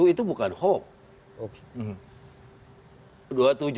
dua puluh tujuh itu bukan hoax